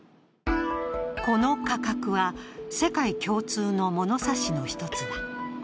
この価格は、世界共通の物差しの一つだ。